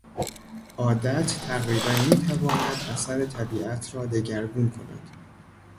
عادت تقریبا میتواند اثر طبیعت را دگرگون کند.